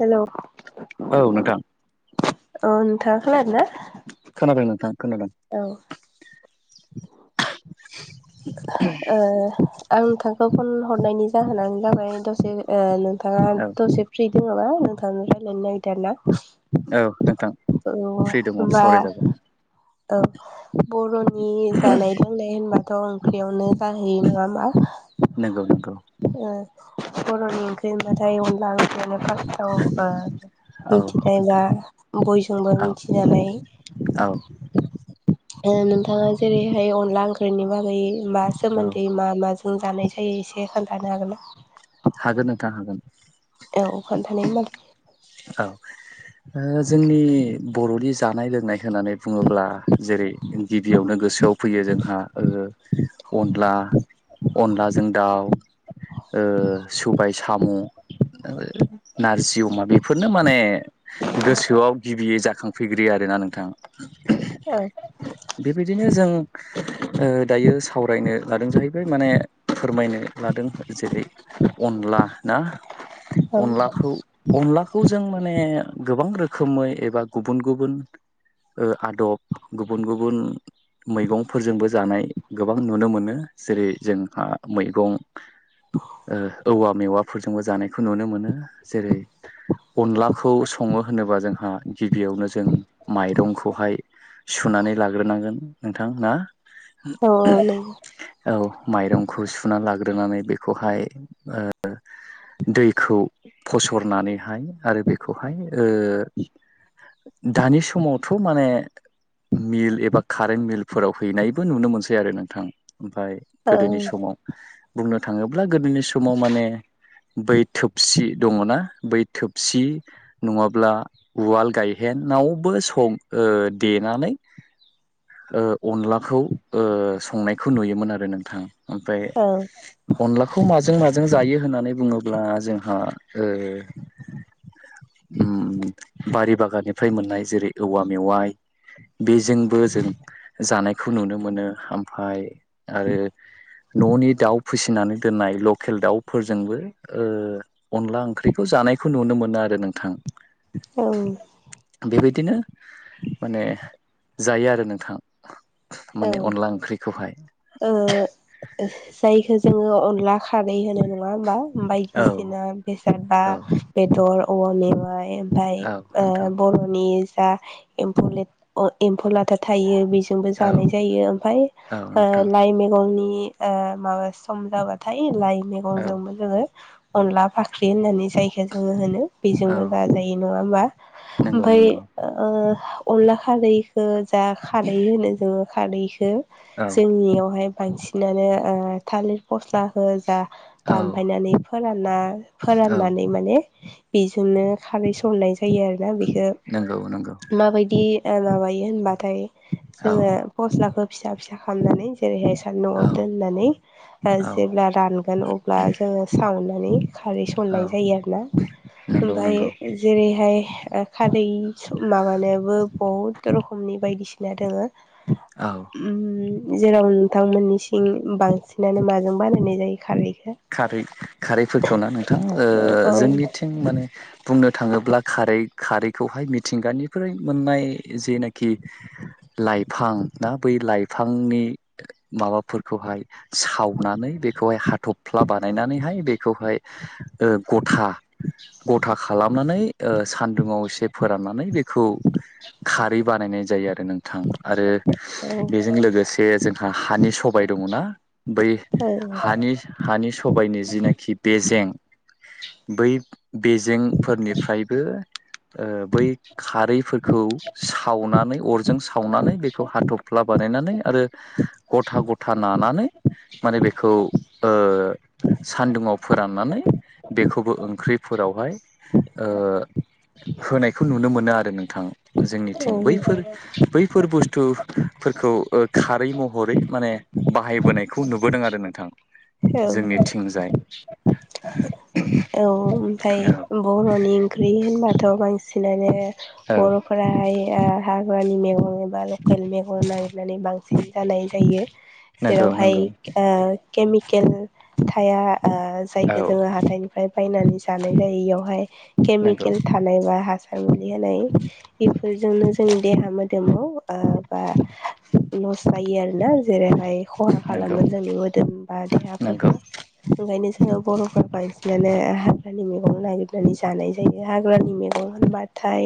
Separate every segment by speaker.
Speaker 1: Hello
Speaker 2: औ नोंथां।
Speaker 1: औ नोंथाङा खोनादोंना।
Speaker 2: खोनादों नोंथां खोनादों।
Speaker 1: ओ आं नोंथांखौ फन हरनायनि जा होनानै जाबाय दसे ओ नोंथाङा
Speaker 2: औ
Speaker 1: दसे फ्रि जोङो बा नोंथां नागिरदों आरो ना।
Speaker 2: औ नोंथां
Speaker 1: औ
Speaker 2: फ्रि दङ
Speaker 1: होनबा
Speaker 2: सावरायजागोन
Speaker 1: औ बर'नि जानाय लोंनाय होनबा थ'ओंख्रियावनो जाहैयो नङा होमबा
Speaker 2: नंगौ नंगौ।
Speaker 1: बर नि ओं होनब्लाथाय अनला ओंख्रियानो फार्स्ताव ओह
Speaker 2: औ
Speaker 1: मिनथिनाय
Speaker 2: नोंथां
Speaker 1: बा बयजोंबो बो
Speaker 2: औ
Speaker 1: मिथिजानाय
Speaker 2: औ
Speaker 1: नोंथाङा जेरैहाय अनला ओंख्रिनि बागै मा
Speaker 2: औ
Speaker 1: सोमोन्दै मा माजों जानाय जायो एसे खोन्थानो हागोन ना?
Speaker 2: हागोन नोंथां हागोन।
Speaker 1: औ खोन्थानाय मालाय
Speaker 2: औ उह जोंनि बर'नि जानाय लोंनाय होननानै बुङोब्ला जेरै गिबियावनो गोसोआव फैयो जोंहा ओ अनला अनलाजों दाउ ओ सुबबाय साम' नारजि अमा बेफोरनो माने गोसोआव गिबियै जाखांफैग्रोयो आरो ना नोंथां।
Speaker 1: औ।
Speaker 2: बेबायदिनो जों उह दायो सावरायनो लादों जाहैबाय माने फोरमायनो लादों। जेरै अनला ना
Speaker 1: औ
Speaker 2: अनलाखौ अनलाखौ जों माने गोबां रो रोखोमै एबा गुबुन गुबुन उह आदब गुबुन गुबुन मैगंफोरजोंबो जानाय गोबां नुनो मोनो जेरै जोंहा मैगं
Speaker 1: [inaudible]
Speaker 2: ओ औवा मेवाफोरजोंबो जानायखौ नुनो मोनो जेरै अनलाखौ सङो होनोबा जोंहा गिबियावनो जों माइरंखौहाय सुनानै लाग्रोनांगोन। नोंथां ना
Speaker 1: औ औ नंगौ
Speaker 2: औ माइरंखौ सुनानै लाग्रो दोननानै बेखौहाय ओ दैखौ फसरनानैहाय आरो बेखौहाय ओ दानि समाव थ' माने मिल एबा कारेन्ट मिलफोराव हैनायबो नुनो मोनसै आरो नोंथां ओमफ्राय
Speaker 1: औ
Speaker 2: गोदोनि समाव बुंनो थाङोब्ला गोदोनि समाव माने बै थोबसि दङ ना बै थोबसि नङाब्ला उवाल गायहेनावबो सङ ओ देनानै ओ अनलाखौ संनायखौ नुयोमोन आरो नोंथां ओमफ्राय
Speaker 1: औ
Speaker 2: अनलाखौ माज हाजों जायो होननानै बुङोब्ला जोंहा ओ उम बारि बागाननिफ्राय मोननाय जेरै औवा मेवाइ बेजोंबो जों जानायखौ नुनो मोनो ओमफाय आरो न'नि दाउ फिसिनानै दोननाय ल लकेल दाउफोरजोंबो ओ अनला ओंख्रिखौ जानायखौ नुनो मोनो आरो नोंथां
Speaker 1: औ
Speaker 2: बेबायदिनो माने जायो आरो नोंथां
Speaker 1: औ
Speaker 2: माने अनला ओंख्रिखौ हाय
Speaker 1: ओ जायखौ जोङो अनला खारै होनो नङा होमबा
Speaker 2: औ
Speaker 1: बायदिसिना बेसाद बा
Speaker 2: औ
Speaker 1: बेदर औवा मेवाइ ने ओमफ्राय
Speaker 2: औ
Speaker 1: ओ
Speaker 2: नोंथां
Speaker 1: बर'नि दा एम्फ एम्फौ लाथा थायो बेजोंबो
Speaker 2: औ
Speaker 1: जानाय जायो ओमफाय
Speaker 2: औ
Speaker 1: ओ
Speaker 2: नोंथां
Speaker 1: लाइ मैगंनि ओ माबा सम जाबाथाय लाइ
Speaker 2: औ
Speaker 1: मैगंजोंबो जोङो अनला फाख्रि होननानै जायखौ जोङो होनो
Speaker 2: औ
Speaker 1: बेजोंबो जाजायो नङा होमबा।
Speaker 2: नंगौ
Speaker 1: ओमफाय
Speaker 2: नंगौ
Speaker 1: अनला खारैखौ जा खारै होनो जोङो खारदैखौ
Speaker 2: औ
Speaker 1: जोंनियावहाय बांसिनानो ओ थालिर फस्ला हो जा
Speaker 2: औ
Speaker 1: दानफायनानै फोरानना
Speaker 2: औ
Speaker 1: फोराननानै माने बेजोंनो खारै संनाय जायो आरो बेखौ
Speaker 2: नंगौ नंगौ
Speaker 1: माबायदि माबायो होनबाथाय
Speaker 2: औ
Speaker 1: जोङो फस्लाखौ फिसा फिसा खालामनानै जेरैहाय
Speaker 2: औ
Speaker 1: सान्दुं'आव दोननानै ओ
Speaker 2: औ
Speaker 1: जेब्ला रानगोन अब्ला जोङो सावनानै खारै
Speaker 2: औ
Speaker 1: सननाय जायो आरो ना
Speaker 2: नंगौ
Speaker 1: ओमफाय
Speaker 2: नंगौ
Speaker 1: जेरैहाय खारै माबानोबो बहुद रोखोमनि बायदिसिना दङो
Speaker 2: औ
Speaker 1: जेराव नोंथांमोननि सिं बांसिनानो माजों बानायनाय जायो खाारै
Speaker 2: खारै खारैफोरखौ ना नोंथां
Speaker 1: औ औ
Speaker 2: जोंनिथिं माने बुंनो थाङोब्ला खारै खारैखौहाय मिथिगानिफ्राय मोननाय जेनाखि ला लाइफां ना बै लाइफांनि माबाफोरखौहाय सावनानै बेखौहाय हाथब फ्ला बानायनानैहाय बेखौहाय गथा गथा खालामनानै ओ सान्दुंआव एसे फोराननानै बेखौ खारै बानायनाय जायो आरो नोंथां आरो बेजों लोगोसे जोंहा हानि स बाय दंना बै
Speaker 1: औ औ
Speaker 2: हानि हानि सबायनि जिनाखि बेेजें बै बेेजेंफोरनिफ्रायबो ओ बै खारैफोरखौ सावनानै अरजों सावनानै बेखौ हाथ'फ्ला बानायनानै आरो गथा गथा नानानै माने बेखौ सान्दुङाव फोराननानै बेखौबो ओंख्रिफोरावहाय ओ होनायखौ नुनो मोनो आरो नोंथां जोंनिथिं
Speaker 1: औ
Speaker 2: बैफोर बैफोर बुस्थ थुफोरखौ खारै महरै माने बाहायबोनायखौ नुबोदों आरो नोंथां
Speaker 1: औ
Speaker 2: जोंनि थिंजाय
Speaker 1: औ ओमफफ्राय बर'नि ओंख्रि होनबाथ' बांसिन सिनायनानै
Speaker 2: औ
Speaker 1: बर'फोराहाय हाग्रानि मेगं जबा लकेल मेगन नागिरनानै बांसिन जानाय जायो
Speaker 2: नंगौ
Speaker 1: जेरावहाय
Speaker 2: नंगौ
Speaker 1: ओ केमिकेल थाया ओ जायखौ
Speaker 2: औ
Speaker 1: जोङो हाथाइनिफ्राय बायनानै जानाय जायो बेयावहाय
Speaker 2: नंगौ
Speaker 1: केमिकेल थानायबा हा सार मुलि होनाय बेफोरजोंनो जोंनि देहा मोदोमाव ओ बा लस जायो आरोना जेरैहाय खहा
Speaker 2: नंगौ
Speaker 1: खालामो जोंनि मोदोम देहाफोरखौ
Speaker 2: नंगौ
Speaker 1: ओंखायनो जोङो बर'फोर बांसिनानो हाग्रानि मैगं नागिरनानै जानाय जायो हाग्रानि मैगं होनबाथाय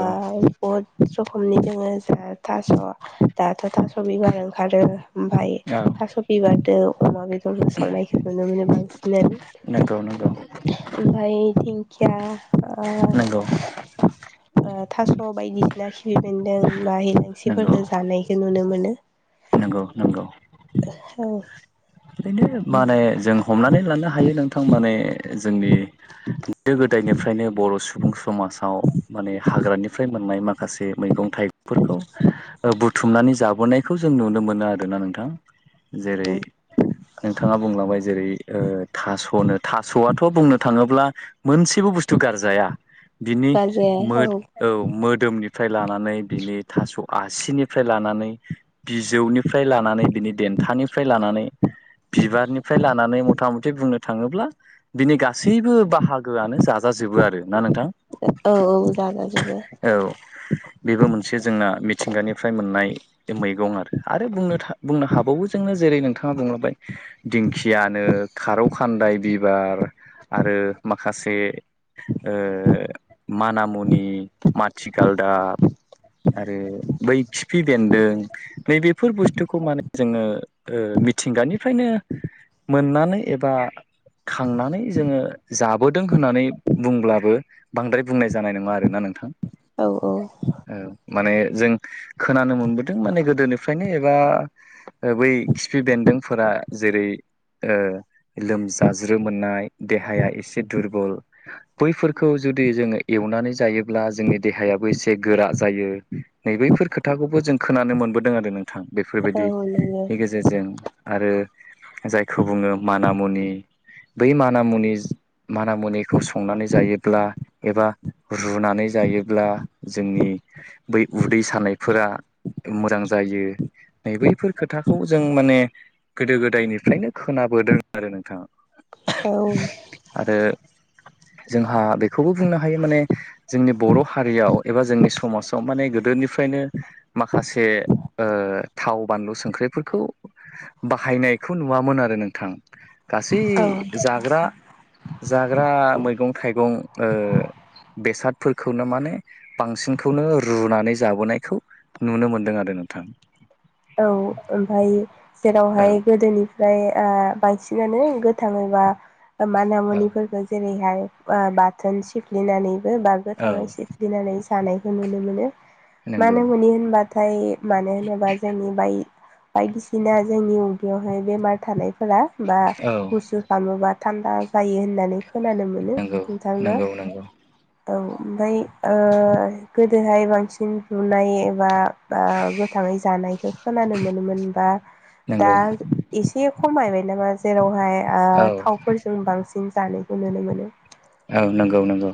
Speaker 1: ओ बहुत रखमनि जोङो थास' दाथ' थास' बिबार ओंखारो ओमफाय
Speaker 2: औ
Speaker 1: थास' बिबारदो बेदर संनायखौ नुनो मोनो बांसिनानो
Speaker 2: नंगौ नंगौ
Speaker 1: ओमफ्राय दिंखिया ओ
Speaker 2: नंगौ।
Speaker 1: ओ थास' बायदिसिना खि बेन्दों माइ
Speaker 2: नंगौ
Speaker 1: ओंखिफोरजों जानायखौ नुनो मोनो।
Speaker 2: नंगौ नंगौ।
Speaker 1: औ
Speaker 2: ओरैनो माने जों हमनानै लानो हायो नोंथां माने जोंनि गोदो गोदायनिफ्राय फायनो बर' सुबुं समाजाव माने हाग्रानिफ्राय मोननाय माखासे मै मैगं थाइगंफोरखौ बुथुमनानै जाबोनायखौ जों नुनो मोनो आरोना नोंथां। जेरै
Speaker 1: [inaudible]
Speaker 2: नोंथाङा बुंलांबाय जेरै थास'नो थास'आथ' बुंनो थाङोब्ला मोनसेबो बुस थु गारजाया बिनि मोद औ मोदोमनिफ्राय लानानै बिनि थास' आसिनि फ्राय लानानै बिजौनिफ्राय लानानै बिनि देन्थानिफ्राय लानानै
Speaker 1: [inaudible]
Speaker 2: बिबारनिफ्राय लानानै मथा मथि बुंनो थाङोब्ला बिनि गासैबो बाहागोआनो जाजाजोबो बो आरो ना नोंथां?
Speaker 1: औ औ जागोन।
Speaker 2: औ बेबो मोनसे जोंना मि थिंगानिफ्राय मोननाय मैगं आरो आरो बुंनोथा बुंनो हाबावो जोंनो जेरै नों नोंथाङा बुंलाबाय दिंखियानो खारौ खान्दाय बिबार आरो माखासे से ओ मानामुनि माथिगालदाब आरो बै खि खिफि बेन्दों नै बेेफोर बुस्थुखौ माने जोङो ओ बेनिफ्रायनो मोननानै एबा खांनानै जोङो जाबोदों होननानै बुंब्लाबो बांद्राय बुंनाय जानाय नङा आरोना नोंथां
Speaker 1: औ औ
Speaker 2: औ माने जों खोनानो मोनबोदों माने गोदोनिफ्रायनो एबा बै खिफि बेन्दोंफोरा जेरै ओ लोमजाज्रोम मोननाय देहाया एसे दुरबल बैफोरखौ जुदि जोङो एवनानै जायो ब्ला जोंनि देहायाबो एसे गोरा जायो नै बैफोर खोथाखौबो जों खोनानो मोनबोदों आरो नों थां
Speaker 1: औ नोंगो
Speaker 2: बेफोरबायदिनि गेजेरजों आरो जायखौ बुङो मानामुनि बै मानामुनि माना मुनिखौ संनानै जायो ब्ला एबा रुनानै जायोब्ला जोंनि बै उदै सानायफोरा मोजां जायो नै बैफोर खोथाखौ जों माने गोदो गोदायनिफ्रायनो खोनाबोदों आरो नोंथां।
Speaker 1: औ
Speaker 2: आरो जोंहा बेखौबो बुंनो हायो माने जोंनि बर' हारियाव एबा जोंनि समाजाव माने गोदोनिफ्राय नो माखासे थाव बानलु संक्रि फोर खौ बाहायनायखौ नुवामोन आरो नोंथां। गासै
Speaker 1: औ
Speaker 2: जाग्रा जाग्रा मैगं थाइगं ओ बेसादफोरखौनो माने बांसिनखौनो रुनानै जाबोनायखौ नुनो मोनदों आरो नोंथां।
Speaker 1: औ ओमफाय
Speaker 2: औ
Speaker 1: जेरावहाय गोदोनिफ्राय ओ बांसिनानो गोथाङैबा
Speaker 2: औ
Speaker 1: मानामुनिफोरखो जेरैहाय बाथोन सिफ्लिनानै बागो
Speaker 2: औ
Speaker 1: थाङै सिफ्लिनानै जानायखौ नुनो मोनो
Speaker 2: नंगौ
Speaker 1: मानि मुनि होनबाथाय मानो होनोबा जोंनि बाय बायदिसिना जोंनि उगेयावहाय बेमार थानायफोरा बा
Speaker 2: औ
Speaker 1: गुसु खालामोबा थान्दा जायो होननानै खोनानो मोनो
Speaker 2: नंगौ
Speaker 1: नोंथां ना?
Speaker 2: नंगौ नंगौ
Speaker 1: औ ओमफ्राय ओ गोदोहाय बांसिन बुनाय एबा बा गोथाङै जानायखौ खोनानो मोनोमोन बा दा
Speaker 2: नंगौ
Speaker 1: एसे एसे खमायबाय नामा जेरावहाय ओ
Speaker 2: औ
Speaker 1: थावफोरजों बांसिन जानायखौ नुनो मोनो।
Speaker 2: औ नंगौ नंगौ।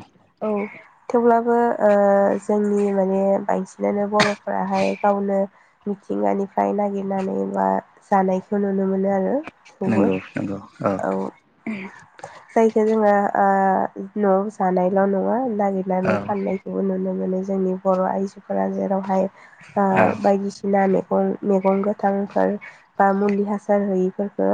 Speaker 1: बो ओ जोंनि माने बांसिनानो बर'फोराहाय गावनो मिथिंगानिफ्राय नागिरनानै बा जानायखौ नुनो मोनो आरो। थेवबो
Speaker 2: नंगौ नंगौ
Speaker 1: औ ओम जायखौ जोंओ ओ न'आव जानायल' नङा
Speaker 2: औ
Speaker 1: नागिरनानै फाननायखौबो नुनो मो जोंनि बर' आइजोफोरा जेरावहाय ओ
Speaker 2: औ
Speaker 1: बायदिसिना ना मैगं मैगं गोथांफोर बा मुलि हासार होयिफोरखौ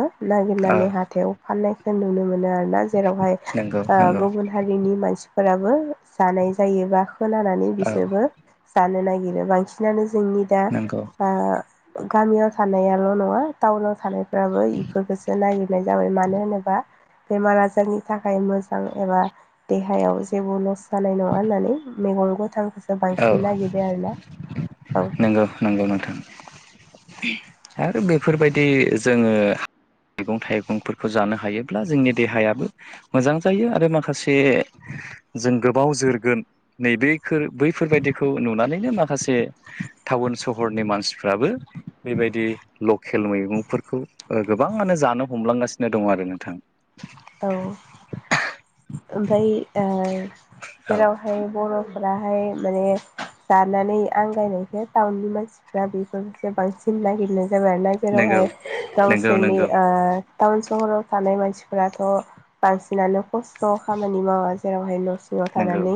Speaker 2: औ
Speaker 1: नागिरनानै हाथायाव फाननायखौ नुनो मोनो आरोना जेरावहाय
Speaker 2: नंगौ नंगौ
Speaker 1: गुबुन हारिनि मानसिफोराबो जानाय जायोबा खोनानानै
Speaker 2: औ
Speaker 1: बिसोरबो जानो नागिरो बांसिनानो जोंनि दा
Speaker 2: नंगौ
Speaker 1: ओ गामियाव थानायाल' नङा टाउनाव थानायफ्राबो इफोरखौसो नागिरनाय जाबाय म मानो होनोबा बेमार आजारनि थाखाय मोजां एबा देहायाव जेबो लस जानाय नङा होननानै मेगं गोथांखौसो
Speaker 2: औ
Speaker 1: बांसिन नागिरो आरोना औ।
Speaker 2: नांगौ नोंथां। आरो बेफोरबायदि जोङो हा मैगं थाइगंफोरखौ जानो हायोब्ला जोंनि देहायाबो मोजां जायो आरो माखासे जों गोबाव जोरगोन नैबेखो बैफोरबायाददि खौ नुनानैनो माखासे टाउन सहरनि मानसिफ्राबो बेबायदि लकेल मैगंफोरखौ। गोबाङानो जानो हमलांगासिनो दङ आरो नोंथां।
Speaker 1: औ ओमफाय ओ
Speaker 2: औ
Speaker 1: जेरावहाय बर' ओमफ्राहाय माने जानानै आंगायनायखो टाउननि मानसिफ्रा बेफोरफोरखौसो बांसिन गि नागिरनाय जाबाय आरो ना
Speaker 2: नंगौ
Speaker 1: जेरावहाय
Speaker 2: नंगौ
Speaker 1: गावसोरनि
Speaker 2: नंगौ
Speaker 1: टाउन सहराव थानाय मानसि फोरथ' बांसिनानो खस्थ' खामानि मावा जेरावहाय न' सिङाव
Speaker 2: नंगौ
Speaker 1: थानानै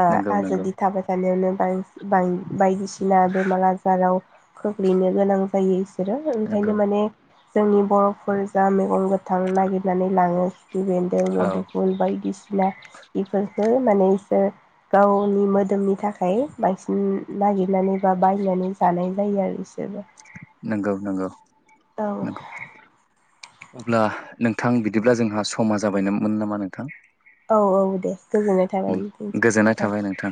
Speaker 1: ओ
Speaker 2: नंगौ नंगौ
Speaker 1: आजादि थाबाय थानायावनो बां बां बायदिसिना बदिसिना बेमार आजाराव खख्लैनो गोनां जायो बिसोरो ओंखायनो
Speaker 2: नंगौ
Speaker 1: माने जोंनि बर'फोर जा मैगं गोथां नागिरनानै लाङो खाफिबेन्दों
Speaker 2: औ
Speaker 1: मदुफुन बायदिसिना इफोरखौ माने इसोर गावनि मोदोमनि थाखाय बांसिन नागिरनानै बा बायनानै जानाय जायो आरो इसोरबो
Speaker 2: नंगौ नंगौ
Speaker 1: औ
Speaker 2: नंगौ। अब्ला नोंथां बिदिब्ला जोंहा समा जाबायनोमोन नामा नोंथां?
Speaker 1: औ औ दे गोजोननाय थाबाय नोंथां
Speaker 2: गोजोननाय
Speaker 1: निसिम।
Speaker 2: थाबाय नोंथां